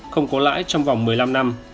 không có lãi trong vòng một mươi năm năm